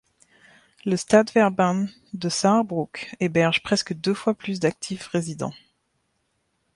Le Stadtverband de Sarrebruck héberge presque deux fois plus d'actifs résidents.